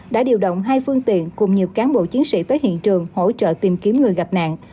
đã điều động hai phương tiện cùng nhiều cán bộ chiến sĩ tới hiện trường hỗ trợ tìm kiếm người gặp nạn